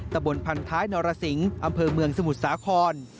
ตะบนพันท้ายนรสิงศ์อำเภอเมืองสมุทรสาคร